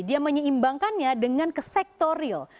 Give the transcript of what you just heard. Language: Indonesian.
dia menyeimbangkannya dengan ke sektor real